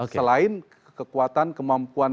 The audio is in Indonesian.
selain kekuatan kemampuan